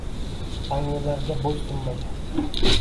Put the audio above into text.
Tangrilarga bo’ysunmagan